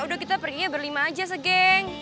udah kita perginya berlima aja se geng